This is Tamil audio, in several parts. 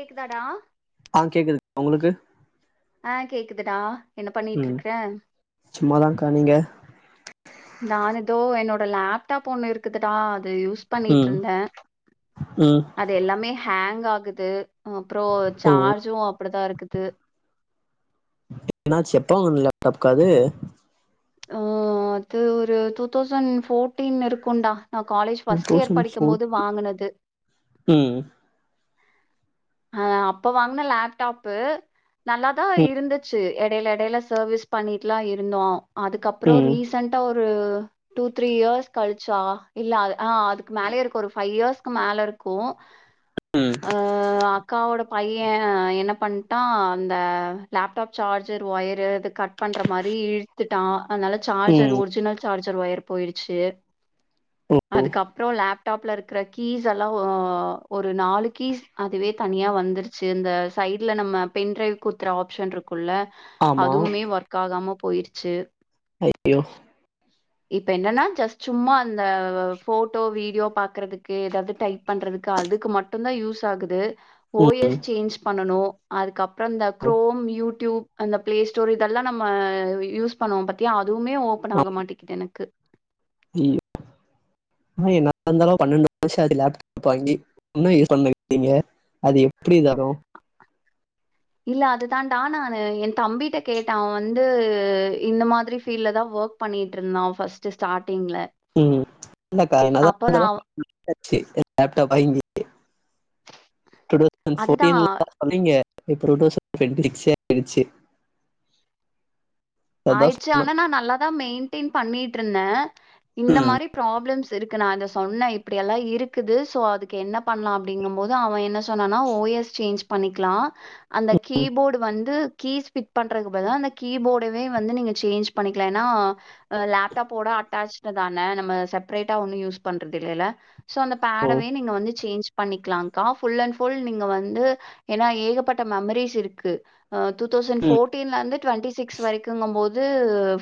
கேக்குதாடா ஆ கேக்குது உங்களுக்கு ஆ கேக்குதுடா என்ன பண்ணிட்டு இருக்ற சும்மா தாங்க்கா நீங்க நான் எதோ என்னோட லேப்டாப் ஒண்ணு இருக்குதுட்டா அது யூஸ் ஸ் ம் பண்ணிட்ருந்தே ம் அது எல்லாமே ஹேங் ஆகுது அ அப்றோ ஓ சார்ஜு அப்படித்தா ருக்குத்து ஏனா செப்போ உள்ள லேப்டாப்காது ஆ அது ஒரு டூ தௌசண் ஃபோட்டீன் இருக்குன்டா நா college two first year thousand படிக்கும் ஃபோர் போது வாங்குனது ம் அ அப்ப வாங்ன லேப்டாப்பு நல்லாதா ம் இருந்துச்சி எடைல எடைல சர்வீஸ் பண்ணிட்டுலா இருந்தோ அதுக்கப்ரோ ம் ரீசன்டா ஒரு டூ த்ரீ இயர்ஸ் கழிச்சா இல்ல ஆது ஆ அதுக்கு மேலயே இருக்கு ஒரு ஃபை இயர்ஸ்க்கு மேல இருக்கு ம் அ ஆக் அக்காவோட பைய என்ன பண்ட்டா அந்த லேப்டாப் சார்ஜர் ஒயர் இது கட் பண்ற மாரி இழுத்துட்டா அத்னாலத் சார்ஜர் ம் ஒர்ஜினல் சார்ஜர் வயர் போய்ருச்சு ஓ அதுக்கப்றோ லேப் டாப்ல இருக்ற கீஸ்ஸல்லா ஒ ஒரு நாலு கீஸ் அதுவே தனியா வந்துருச்சு இந்த சைட்ல நம்ம பென் ட்ரைவ் குத்துற ஆப்ஷன் ருக் உள்ள ஆமா அதுவ்மே வர்க் ஆகாம போய்ர்ச்சு அய்யோ இப்ப என்னன்னா ஜஸ்ட் சும்மா அந்த போட்டோ வீடியோ பாக்குறதுக்கு எதாவ்து டைப் பண்றதுக்கு அதுக்கு மட்டுந் தா யூஸ் ஆகுது ஓ ம் எஸ் சேஞ்ச் பண்ணனு அதுக்கப்றொ இந்த ம் குரோம் யூடியூப் அந்த பிளே ஸ்டோரு இதெல்லா நம்ம யூஸ் பண்ணுவோ பத்தியா அதுவுமே ஓப்பன் ஆமா ஆக மாட்டெக்கிது எனக்கு [unintelligible] ஆ என்ன இருந்தாலு பன்னெண்டு வர்ஷொ ஆது லேப்டாப் வாங்கி இன்னொ யூஸ் [inaudible] அது எப்டி வரு இல்ல அது தான்டா நானு என் தம்பிட்ட கேட்ட அவன் வந்து இந்த மாதுரி ஃபீல்ட்ல தா வோக் பண்ணிட்டு இருந்தோ ஃபஸ்ட்டு ஸ்டாட்டிங்ல ம் இல்லக்கா என்னதா இருந்தாலு [inaudible] லேப்டாப் வாங்கி அதுதான் [inaudible] அதான் ஆய்ட்ச்சு சொன்னேன் ஆனா நா நல்லாதா மெயின்டெயின் பண்ணிட் இருந்தே இந்த ம் மாரி ப்ராப்ளம்ஸ் இருக்கு நா அத சொன்ன இப்டி எல்லா இருக்குது சோ அதுக்கு என்ன பண்லா அப்டிங்கம் போது அவ என்ன சொன்னான்னா ஓ எஸ் சேஞ்ச் பண்ணிக்லா அந்த கீபோர்டு வந்து கீ ஸ்பிட் பண்றதுகு பதுலா த அந்த கீ போட் இப்பவே வந்து நீங்க சேஞ்ச் பண்ணிக்லா ஏன்னா அ லேப்டாப்போட அட்டாச்டு தான நம்ம செப்பரேட்டா ஒன்னு யூஸ் பண்றது இல்லைல்ல சோ அந்த ஓ பேடவே நீங்க வந்து சேஞ்ச் பண்ணிக்லாங்கா ஃபுல் அண்ட் ஃபுல் நீங்க வந்து ஏன்னா ஏகப்பட்ட மெம்ரீஸ் இருக்கு அ டூ தௌசண்ட் ம் போட்டீன்ல இர்ந்து டுவெண்டி சிக்ஸ் வரைக்கு கும் போது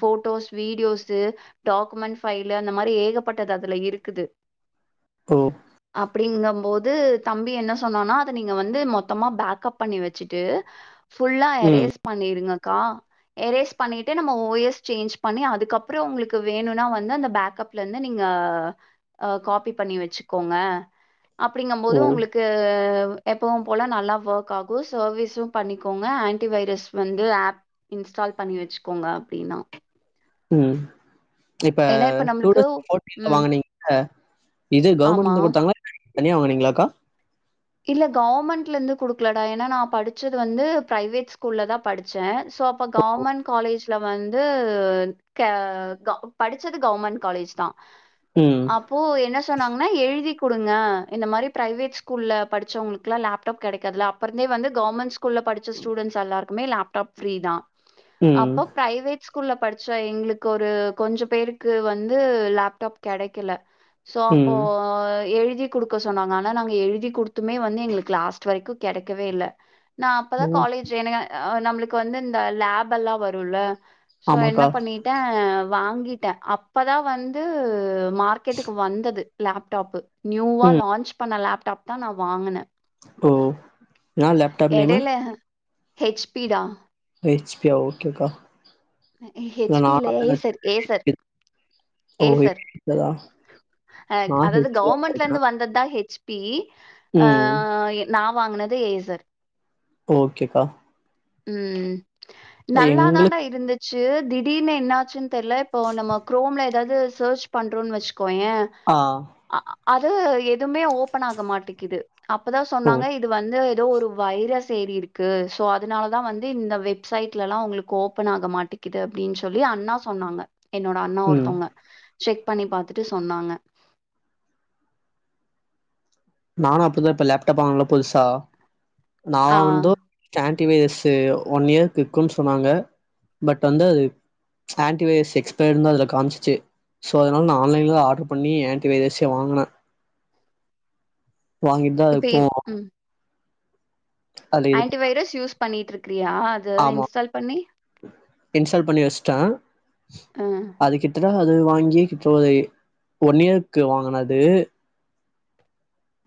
போட்டோஸ் வீடியோஸு டாக்குமெண்ட் ஃபைலு அந்த மாதிரி ஏகப்பட்டது அதுல இருக்குது ஓ அப்டிங்கம் போது தம்பி என்ன சொன்னானா அத நீங்க வந்து மொத்தமா பேக்கப் பண்ணி வச்சுட்டு ஃபுல்லா ம். எரேஸ் பண்ணீருங்கக்கா எரேஸ் பண்ணிட்டு நம்ம ஓ எஸ் சேஞ்ச் பண்ணி அதுக்கப்றொ உங்களுக்கு வேணுனா வந்து அந்த பேக்கப் லந்து நீங்க காப்பி பண்ணி வச்சுக்கோங்க அப்டிங்கம்போது ஓ! உங்களுக் டு எப்பவும் போல நல்லா வோக் ஆகு சர்வீஸு பண்ணிக்கோங்க ஆன்டி வைரஸ் வந்து ஆப் இன்ஸ்டால் பண்ணி வச்சுக்கோங்க அப்டினா ம் இப்ப ஏன்னா நம்மளுக்கு [inaudible] ம். வாங்குனிங்கல்ல இது ஆமா. கவர்மெண்ட்ல குட்த்தாங்களா தனியா வாங்குனீங்ளா க்கா இல்ல கவர்மெண்ட்ல இந்து குடுக்லடா ஏன்னா நா படுச்சது வந்து பிரைவேட் ஸ்கூல்ல தா படுச்சே சோ அப்ப கவுர்மென்ட் காலேஜ் இதுல வந்து கெ படுச்சது கவ்ர்மெண்ட் காலேஜ் தா ம் அப்போ என்ன சொன்னாங்கன்னா எழுதி குடுங்க இந்த மாரி பிரைவேட் ஸ்கூல்ல படிச்சவங்களுக் கெல்லா லேப்டாப் கிடைக்காதுல்ல அப்புரந்தே வந்து கவர்மெண்ட் ஸ்கூல படிச்ச ஸூடென்ட்ஸ் எல்லார்க் மே லேப்டாப் ஃப்ரீ தா ம். அப்போ ப்ரைவேட் ஸ்கூல்ல படுச்ச எங்ளுக்கு ஒரு கொஞ்சொ பேருக்கு வந்து லேப்டாப் கெடைக்கல சோ அப்போ ம். எழுதி குடுக்க சொன்னாங்க ஆனா நாங்க எழுதி குடு த்துமே வந்து எங்களுக் லாஸ்ட் வரைக்கு கெடைக்கவே இல்ல நா அப்பதா ஓ! காலேஜ் என்னக அ நம்மளுக்கு வந்து இந்த லேப் எல்லா வருல்ல சோ என்ன ஆமாக்கா. பண்ணி ட்ட வாங்கிட்ட அப்பதா வந்து மார்க்கெட்டுக்கு வந்தது லேப்டாப்பு நியூவா ம். லான்ச் பண்ண லேப்டாப் தா நா வாங்குன ஓ நா லேப் எடைல ஹெச் பி டா ஹெச்பியா ஓகேக்கா இல்ல நா [inaudible] ஏசர் அ நான் அதாவ்து தான் கவர்மெண்ட்லருந்து வச்சிருக்கேன். வந்ததுதா ஹெச் பி ஆ ம். நா வாங்னது ஏசர் ஓகேக்கா ம் நல்லாதாண்டா எங்களுக்கு இருந்துச்சு திடீர்னு என்னாச்சுன் தெர்ல இப்போ நம்ம குரோம்ல ஏதாவ்து சேர்ச் பண்றோன்னு வச்சுக்கோயே ஆ அ அது எதுவுமே ஓபன் ஆக மாட்டிக்குது அப்பதா ஓ! சொன்னாங்க இ இது வந்து ஏதோ ஒரு வைரஸ் ஏறி இருக்கு சோ அதுனாலதா வந்து இந்த வெப்சைட்லல்லா உங்ளுக்கு ஓப்பன் ஆக மாட்டிக்குது அப்டின் சொல்லி அண்ணா சொன்னாங்க என்னோட அண்ணா ம். ஒருத்தவுங்க செக் பண்ணி பாத்துட்டு சொன்னாங்க நானு அப்பத்தா இப்ப லேப்டாப் வாங்னல்ல புதுசா நா ஆ வாங்கன்தோ ஆன்டி வைரஸு ஒன் இயர் இருக்குன்னு சொன்னாங்க பட் வந்து ஆன்டி வைரஸ் எக்ஸ்பேர்தா அதுல காம்ச்சிச்சு சோ அதனால நா ஆன்லைன்லதா நா ஆர்ட்ரு பண்ணி ஆன்ட்டி வைரஸே வாங்குனே வாங்கிட்டுதா இப்ப இப்போ அதுல இது ஆன்டி வைரஸ் யூஸ் பண்ணிட்ருக்றியா அது ஆமா இன்ஸ்டால் பண்ணி இன்ஸ்டால் பண்ணி வைசிட்டே அ. அது கிட்ட ப அது வாங்கியே [unintelligible] ஒன் இயர்க்கு வாங்குனது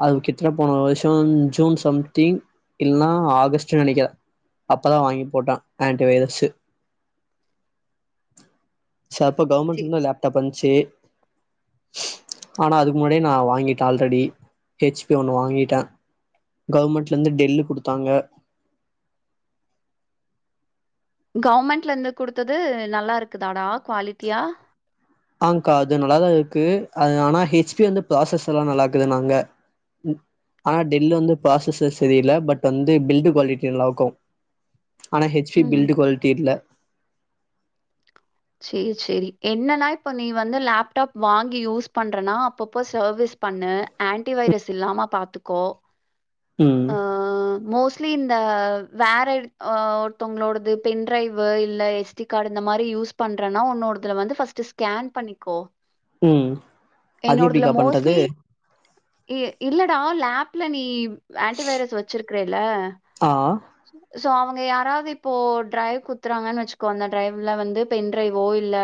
அதுகித்ல போன வருஷோ ஜூன் சம்திங் இல்லன்னா ஆகஸ்ட்ன்னு நெனைக்குற அப்பதா வாங்கி போட்டா ஆன்டி வைரஸ்ஸு சோ அப்ப சே கவுர்மெண்ட்லந்து தா லேப்டாப் வந்ச்சு ஆனா அதுக்கு முன்னாடியே நா வாங்கிட்டே ஆல்ரெடி ஹெச்பி ஒன்னு வாங்கிட்டே கவுர்மெண்ட்லருந்து டெல்லு குடுத்தாங்க கவுர்மெண்ட்லருந்து குடுத்தது நல்லா இருக்குதாடா குவாலிட்டியா ஆங்க்கா அது நல்லாதா இருக்கு ஆனா அது ஹெச்பி வந்து ப்ராசஸ்லா நல்லாருக்குன்னாங்க ம் ஆனா டெல்லு வந்து ப்ராசஸ்சு சரியில்ல பட் வந்து பில்டு குவாலிட்டி நல்லா வொர்க் ஆகு ஆனா ஹெச்பி ம். பில்டு குவாலிட்டி இல்ல சேரி சேரி என்னன்னா இப்ப நீ வந்து லேப்டாப் வாங்கி யூஸ் பண்றனா அப்பப்போ சர்வீஸ் பண்ணு ஆன்டி வைரஸ் இல்லாம பாத்துக்கோ ம் அ மோஸ்ட்லி இந்த வேற ஆ ஒருத்தவங்களோடது பென் டிரைவ்வு இல்ல எஸ் டி கார்டு இந்த மாரி யூஸ் பண்றேன்னா உன்னோடதுல வந்து ஃபர்ஸ்ட்டு ஸ்கேன் பண்ணிக்கோ ம் அது என்னோடதுல எப்டிக்கா பண்றது மோஸ்ட்லி இ இல்லடா லேப்ல நீ ஆன்டி வைரஸ் வச்சிருக்கறேல்ல ஆ ஆ சோ அவுங்க யாராவ்து இப்போ டிரைவ் குத்துறாங்கன்னு வச்சுக்கோ அந்த டிரைவ்ல வந்து பென் டிரைவ்வோ இல்ல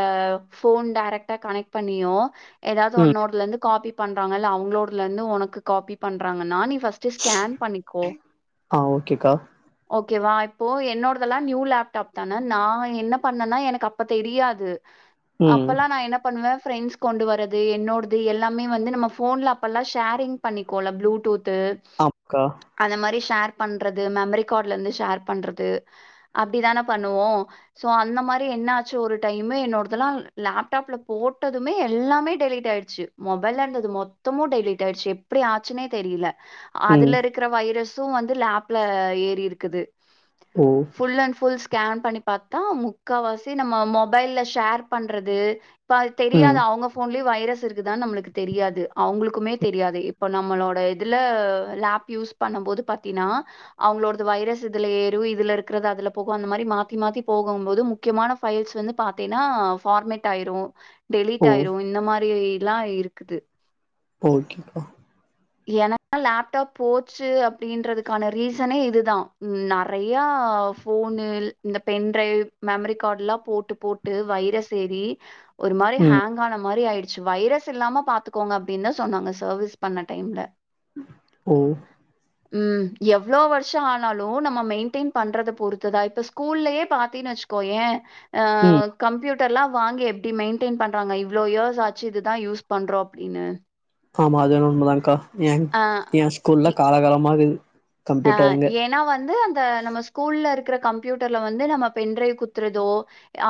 ஃபோன் டேரக்ட்டா கனெக்ட் பண்ணியோ ஏதாவ்து ம் உன்னோட்லருந்து காப்பி பண்றாங்கல்ல இல்ல அவுங்களோடலருந்து உனக்கு காப்பி பண்றாங்கன்னா நீ ஃபஸ்ட் ஃபஸ்டு ஸ்கேன் பண்ணிக்கோ ஆ ஓகேக்கா ஓகேவா இப்போ என்னோடதெல்லா நியூ லேப்டாப்தானே நா என்ன பண்ணனா எனக்கு அப்ப தெரியாது ம் அப்பல்லா நா என்ன ப பண்ணுவ ஃப்ரெண்ட்ஸ் கொண்டு வரது என்னோடது எல்லாமே வந்து நம்ம ஃபோன்ல அப்பல்லா ஷேரிங் பண்ணிக்கோல ப்ளூடூத்து ஆப்க்கா அந்த மாரி ஷேர் பண்றது மெமரி காட்லந்து ஷேர் பண்றது அப்டிதான பண்ணுவோ சோ அந்த மாரி என்னாச்சு ஒரு டைமு என்னோடதெல்லா லேப்டாப்ல போட்டதுமே எல்லாமே டெலீட் ஆயிடுச்சு மொபைல்ல இருந்தது மொத்தமு டெலீட் ஆயிடுச்சு எப்புடி ஆச்சுன்னே தெரில ம் அதுல இருக்குற வைரஸ்சு வந்து லேப்ல ஏறி இருக்குது ஓ ஃபுல்லன் ஃபுல் ஸ்கேன் பண்ணி பாத்தா முக்காவாசி நம்ம மொபைல்ல ஷேர் பண்றது ப்பா அது ம் தெரியாது அவுங்க ஃபோன்லியு வைரஸ் இருக்குதா நம்மளுக்கு தெரியாது அவுங்குளுக்குமே தெரியாது இப்போ நம்மளோட இதுல லேப் யூஸ் பண்ணம்போது பாத்தீன்னா அவுங்களோட இது வைரஸ் இதுல ஏறு இதுல இருக்கறது அதுல போகு அந்த மாரி மாத்தி மாத்தி போகும்போது முக்கியமான ஃபைல்ஸ் வந்து பாத்தீன்னா பார்மேட் ஆயிரூ ஓ டெலீட் ஆயிரு இந்த மாரிஇல்லா இருக்குது ஓக்கேக்கா எனக்லா லேப்டப் போச்சு அப்படின்றதுக்கான ரீசனே இது தா நறைய ஃபோனு இந்த பென்ட்ரைவ் மெமரி கார்ட்லா போட்டு போட் ட்டு வைரஸ் ஏரி ஒரு மாரி ம் ஹேங் ஆன மாரி ஆயிடு ச்சு வைரஸ் இல்லாம பாத்துக்கோங்க அப்டின் தா சொன்னாங்க சர்வீஸ் பண்ண டைம்ல ஓ ம் எவ்ளோ வரு க்ஷ ஆனாலு நம்ம மெயின்டெயின் பண்றத பொறுத்துதா இப்ப ஸ்கூல்லையே பாத்தீன்னு வச்சுக்கோ ஏ அ ம் கம்பியூட் டர்ல்லா வாங்கி எப்டி மெயின்டெயின் பண்றாங்க இவ்ளோ யேர்ஸ் ஆச்சு இதுதா யூஸ் பண்றோ அப்டின்னு ஆம்மா அதுவேனா உண்மதாங்க்கா ஏங் அ எ ஸ்கூல்ல காலகாலமாகுது அ கம்ப்யூட்டர் எங்க ஏன்னா வந்து அந்த நம்ம கூல்ல இருக்குற கம்பீயூட்டர்ல வந்து நம்ம பென்ட்ரைவ் குத்துறதோ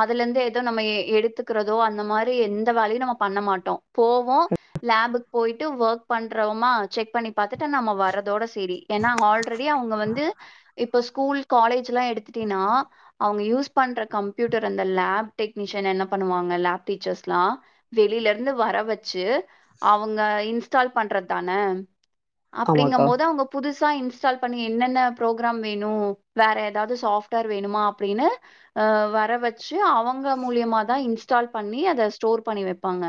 அதுல இருந்து எதோ நம்ம எடுத்துக்குறதோ அந்த மாரி எந்த வேலையு நம்ம பண்ண மாட்டோ போவோ லேப்புக்கு போயிட்டு ஒர்க் பண்றோமா செக் பண்ணி பாத்துட்டு நம்ம வர்றதோட செரி ஏன்னா ஃஹால் இப்ப வந்து இப்ப ஸ்கூல் காலேஜ் எல்லா எடுத்துட்டீன்னா அவுங்க யூஸ் பண்ற கம்பீயூட்டர் அந்த லேப் டெக்னீஷியன் என்ன பண்ணுவாங்க லேப் டீச்சர்ஸ்லா வெளில இருந்து வர வச்சி அவுங்க இன்ஸ்டால் பண்றது தான ஆமாக்கா அப்டிங்கம்போது அவுங்க புதுசா இன்ஸ் இன்ஸ்டால் பண்ணி என்னென்ன ப்ரோக்ராம் வேணு வேற ஏதாவது சாஃப்ட்வேர் வேணுமா அப்டின்னு ஆ வர வச்சி அவங்க மூலியமாதா இன்ஸ்டால் பண்ணி அத ஸ்டோர் பண்ணி வைப்பாங்க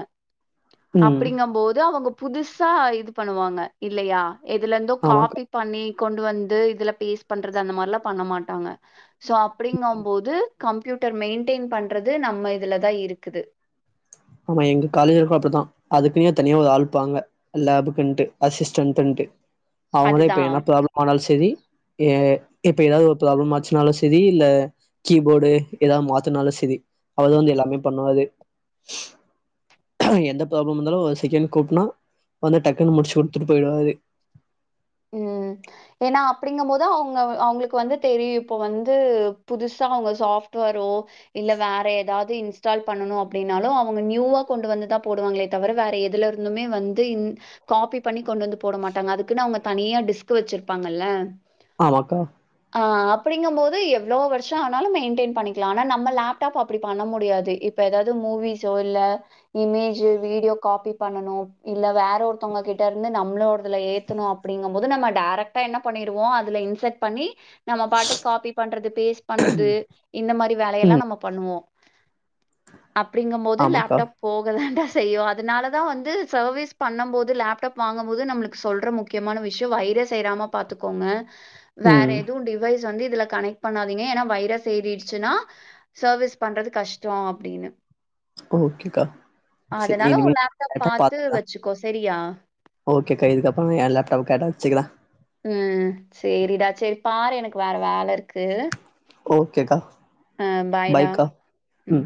ம் அப்டிங்கம்போது அவுங்க புதுசா இது பண்ணுவாங்க இல்லையா எதுல இருந்தோ ஆமா காபி பண்ணி கொண்டு வந்து இதுல பேஸ்ட் பண்றது அந்த மாரிலா பண்ண மாட்டாங்க சோ அப்டிங்கம்போது கம்பீயூட்டர் மெயின்டெயின் பண்றது நம்ம இதுல தா இருக்குது ஆமா எங்க காலேஜ்க்கு அப்டித்தா அதுக்குன்னே தனியா ஒரு ஆள் இருப்பாங்க லேப்புக்குன்ட்டு அசிஸ்டன்டுட்டு அவுங்கதா இப்ப அதுதான் என்ன ப்ராப்ளம் ஆனாலு செரி ஏ இப்ப ஏதாவது ஒரு ப்ராப்ளம் ஆச்சினாலு செரி இல்ல கீபோர்டு ஏதாவது மாத்தனாலு சரி அவர்தா வந்து எல்லாமே பண்ணுவாரு ஆ எந்த ப்ராப்ளம் இருந்தாலு ஒரு செக்கேண்டு கூப்டன்னா வந்து டக்குன்னு முடிச்சி குடுத்துட்டு போயிடுவாறு ம். ஏன்னா அப்டிங்கம்போது அவுங்க அவுங்களுக்கு வந்து தெரியு இப்போ வந்து புதுசா அவுங்க சாஃப்ட்டுவோறோ இல்ல வேற ஏதாவது இன்ஸ்டால் பண்ணணு அப்டின்னாலு அவுங்க நியூவா கொண்டு வந்துதா போடுவாங்களே தவர வேற எதுல இருந்துமே வந்து இந் காபி பண்ணி கொண்டு வந்து போட மாட்டாங்க அதுக்குன்னு அவுங்க தனியா டிஸ்க் வச்சிருப்பாங்கல்ல ஆமாக்கா ஆ அப்படிங்கபோது எவ்ளோ வருஷ ஆனலு மெயின்டென் பண்ணிக்கலா ஆனா நம்ம லேப் ட்டாப்ப அப்டி பண்ண முடியாது இப்ப ஏதாவது மூவிஸோ இல்ல இமேஜு வீடியோ காபி பண்ணனு இல்ல வேற ஒருத்தவங்க கிட்ட இருந்து நம்ளோ அதுல ஏத்தணு அப்டிங்கும் போது நம்ம டைரட்டா என்ன பண்ணிருவோ அதுல இன்செட் பண்ணி நம்ம பாட்டுக் காபி பண்றது பேஸ்ட் பண்றது இந்த மாரி வேலையெல்லா ம் நம்ம பண்ணுவோ அப்டிங்கம் போது ஆமாக்கா லேப்டாப் போகதாண்டா செய்யும் அதனால தா வந்து சர்வீஸ் பண்ணம் போது லேப்டாப் வாங்கம் போது நம்மளுக்கு சொல்ற முக்கிய முக்கியமான விஷ்யோ வைரஸ் ஏறாமா பாத்துக்கோங்க வேற ம் எதுவு டிவை வைஸ் வந்து இதுல கனெக்ட் பண்ணாதீங்க ஏன்னா வைரஸ் ஏறிடுச்சுன்னா சர்வீஸ் பண்றது கஷ்டோ அப்டின்னு ஓகேக்கா சரி அதனால உ இனிமே லேப்டாப் கரெக்டா பாத்து வச்சுக்கோ சரியா ஓகே கா இதுக்கப்ரோ எ லேப்டாப் கரெட் டா வசிக்கிற உம் சேரிடா செரி பாரு எனக்கு வேற வேல ர்க்கு ஓகேக்கா அ பாய்டா பாய்க்கா ம் உம்